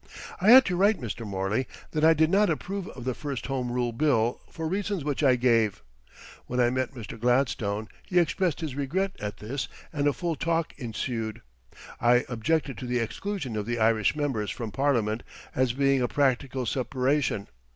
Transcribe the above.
I had to write Mr. Morley that I did not approve of the first Home Rule Bill for reasons which I gave. When I met Mr. Gladstone he expressed his regret at this and a full talk ensued. I objected to the exclusion of the Irish members from Parliament as being a practical separation.